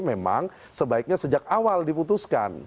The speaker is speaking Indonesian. memang sebaiknya sejak awal diputuskan